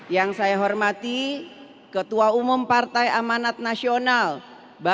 yang saya hormati ketua umum partai amanat nasional bapak